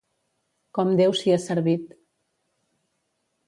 Com Déu sia servit.